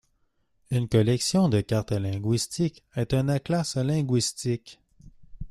Une collection de cartes linguistiques est un atlas linguistique.